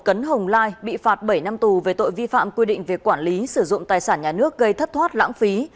tấn hồng lai bị phạt bảy năm tù về tội vi phạm quy định về quản lý sử dụng tài sản nhà nước gây thất thoát lãng phí